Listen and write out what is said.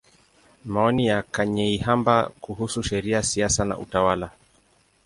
Maoni ya Kanyeihamba kuhusu Sheria, Siasa na Utawala.